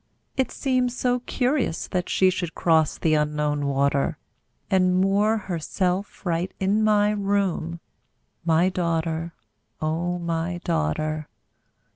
It seemed so curious that she Should cross the Unknown water, And moor herself right in my room, My daughter, O my daughter!